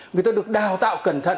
người ta được đào tạo cẩn thận